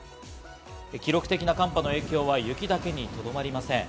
記録的な寒波の影響は雪だけにとどまりません。